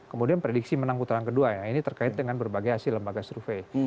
kemudian prediksi menang putaran kedua ya ini terkait dengan berbagai hasil lembaga survei